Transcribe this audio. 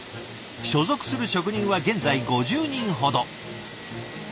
所属する職人は現在５０人ほど。